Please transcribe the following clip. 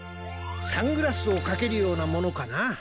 サングラスをかけるようなものかな。